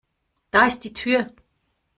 Da ist die Tür!